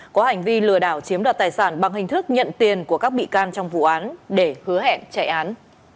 có hành vi lừa đảo chiếm đoạt tài sản bằng hình thức nhận tiền của các bị can trong vụ án để hứa hẹn chạy án